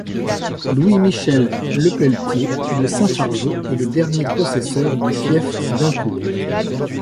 Louis-Michel Lepeletier de Saint-Fargeau est le dernier possesseur du fief d'Aincourt.